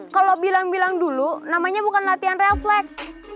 kalau bilang bilang dulu namanya bukan latihan refleks